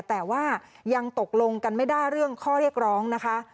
แต่ว่ายังตกลงกันไม่ได้เรื่องข้อเรียกร้องนะคะ